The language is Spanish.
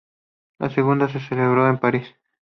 La segunda se celebró en París.